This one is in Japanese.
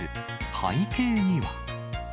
背景には。